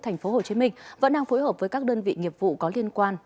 thành phố hồ chí minh vẫn đang phối hợp với các đơn vị nghiệp vụ có liên quan